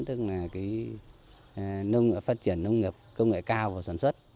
tức là phát triển nông nghiệp công nghệ cao vào sản xuất